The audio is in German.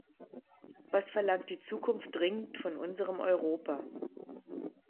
Was verlangt die Zukunft dringend von unserem Europa?